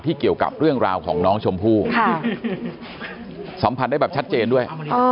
เกี่ยวกับเรื่องราวของน้องชมพู่สัมผัสได้แบบชัดเจนด้วย